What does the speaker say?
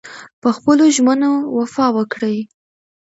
په خپلو ژمنو وفا وکړئ.